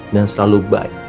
dan selalu baik